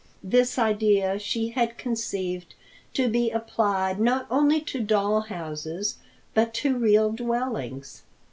This idea she had conceived to be applied not only to doll houses, but to real dwellings.